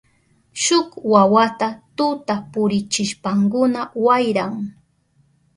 Shuk wawata tuta purichishpankuna wayran.